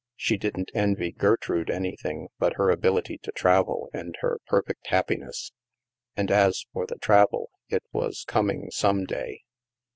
She didn't envy Gertrude anything but her ability to travel and her perfect happiness. And as for the travel, it was coming some day.